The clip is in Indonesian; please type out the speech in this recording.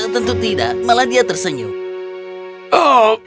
tentu tidak malah dia tersenyum